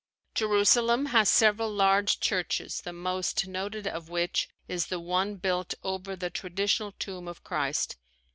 Jerusalem has several large churches the most noted of which is the one built over the traditional tomb of Christ.